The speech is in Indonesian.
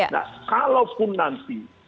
nah kalaupun nanti